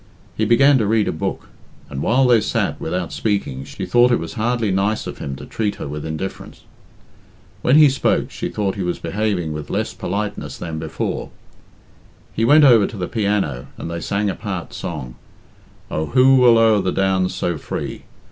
He began to read a book, and while they sat without speaking she thought it was hardly nice of him to treat her with indifference. When he spoke she thought he was behaving with less politeness than before. He went over to the piano and they sang a part song, "Oh, who will o'er the downs so free?"